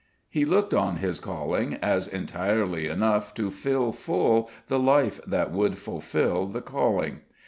He looked on his calling as entirely enough to fill full the life that would fulfil the calling.